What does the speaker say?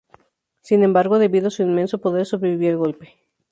Sin embargo, debido a su inmenso poder sobrevivió al golpe.